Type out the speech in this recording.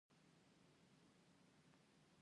چې موږ ټول یې غواړو.